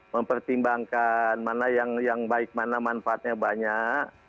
mempertimbangkan mana yang baik mana manfaatnya banyak